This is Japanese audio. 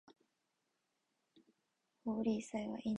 ホーリー祭はインドのお祭りだ。